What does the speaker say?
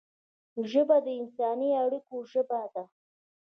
ژبه د انساني اړیکو ژبه ده